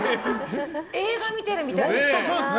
映画見てるみたいでした。